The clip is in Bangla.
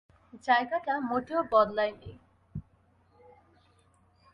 জায়গাটা মোটেও বদলায়নি।